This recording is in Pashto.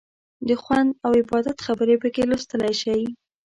د خوند او عبادت خبرې پکې لوستلی شئ.